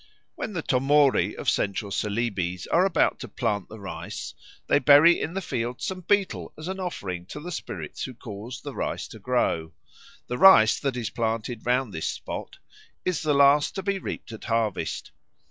When the Tomori of Central Celebes are about to plant the rice, they bury in the field some betel as an offering to the spirits who cause the rice to grow. The rice that is planted round this spot is the last to be reaped at harvest.